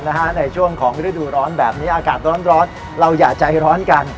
ในช่วงของฤดูร้อนแบบนี้อากาศร้อนเราอย่าใจร้อนกัน